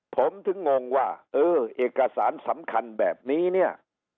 ผมถึงงงว่าเออเอกสารสำคัญแบบนี้เนี่ย